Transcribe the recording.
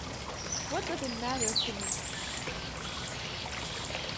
What does it matter to me?